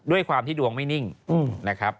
ด้วยความที่ดวงไม่นิ่งนะครับ